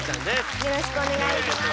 よろしくお願いします。